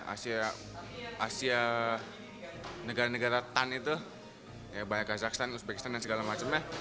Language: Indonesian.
asia negara negara tan itu ya banyak kazakhstan uzbekistan dan segala macamnya